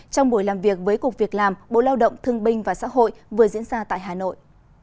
trong buổi làm việc với cục việc làm bộ lao động thương binh và xã hội vừa diễn ra tại hà nội